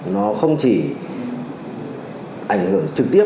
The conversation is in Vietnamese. nó không chỉ ảnh hưởng trực tiếp